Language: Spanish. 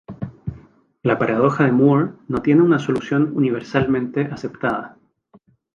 La paradoja de Moore no tiene una solución universalmente aceptada.